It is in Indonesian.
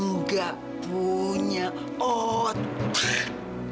mgak punya otak